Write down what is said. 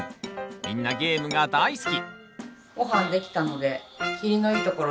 みんなゲームが大好き！